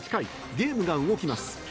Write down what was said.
ゲームが動きます。